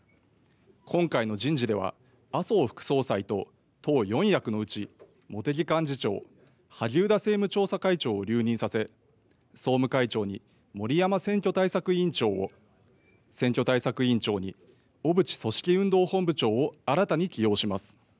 今回の人事では麻生副総裁と党４役のうち茂木幹事長、萩生田政務調査会長を留任させ総務会長に森山選挙対策委員長を、選挙対策委員長に小渕組織運動本部長を新たに起用します。